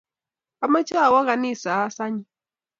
Amache awo kanisa as anyun.